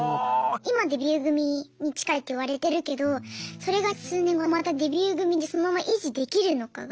今デビュー組に近いって言われてるけどそれが数年後またデビュー組でそのまま維持できるのかが。